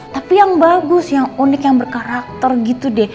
tapi yang bagus yang unik yang berkarakter gitu deh